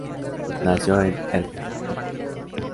Nació en Erfurt.